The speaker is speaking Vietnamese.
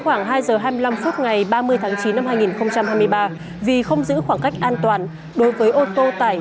khoảng hai giờ hai mươi năm phút ngày ba mươi tháng chín năm hai nghìn hai mươi ba vì không giữ khoảng cách an toàn đối với ô tô tải